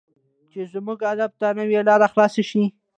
چې زموږ ادب ته نوې لار خلاصه شي.